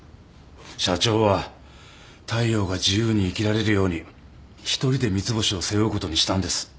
社長は大陽が自由に生きられるように一人で三ツ星を背負うことにしたんです。